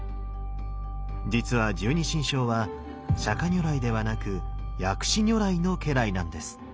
実は十二神将は釈如来ではなく薬師如来の家来なんです。